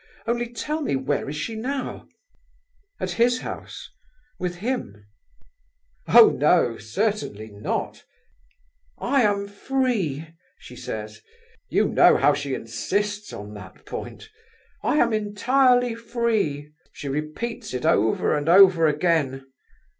Only tell me, where is she now? At his house? With him?" "Oh no! Certainly not! 'I am free,' she says; you know how she insists on that point. 'I am entirely free.' She repeats it over and over again.